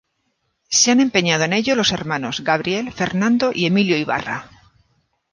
Se han empeñado en ello los hermanos Gabriel, Fernando y Emilio Ybarra.